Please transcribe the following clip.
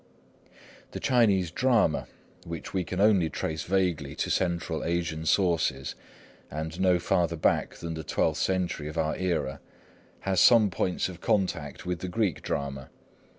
The Chinese drama, which we can only trace vaguely to Central Asian sources, and no farther back than the twelfth century of our era, has some points of contact with the Greek drama.